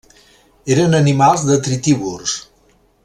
Eren animals detritívors.